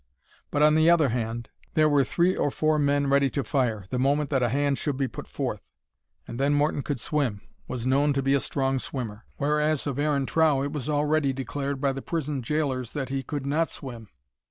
But on the other hand, there were three or four men ready to fire, the moment that a hand should be put forth; and then Morton could swim,—was known to be a strong swimmer;—whereas of Aaron Trow it was already declared by the prison gaolers that he could not swim.